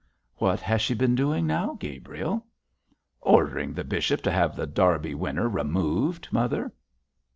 'What has she been doing now, Gabriel?' 'Ordering the bishop to have The Derby Winner removed, mother.'